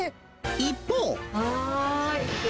一方。